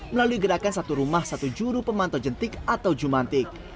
melalui gerakan satu rumah satu juru pemantau jentik atau jumantik